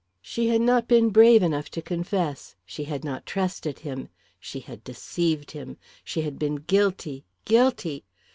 She had not been brave enough to confess; she had not trusted him; she had deceived him. She had been guilty, guilty!